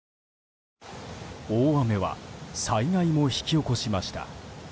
大雨は災害も引き起こしました。